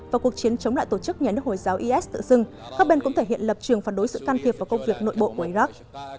và cuộc chiến chống lại tổ chức nhà nước hồi giáo is tự dưng các bên cũng thể hiện lập trường phản đối sự can thiệp vào công việc nội bộ của iraq